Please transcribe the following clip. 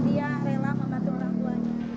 dia rela membantu orang tuanya